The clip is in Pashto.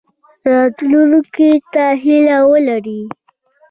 راتلونکي ته هیله ولرئ